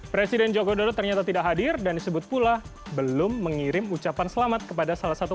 presiden joko widodo ternyata tidak hadir dan disebut pula belum mengirim ucapan selamat kepada salah satu